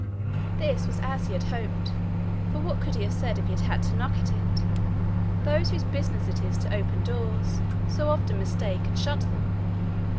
This was as he had hoped, for what could he have said if he had had to knock at it? Those whose business it is to open doors, so often mistake and shut them!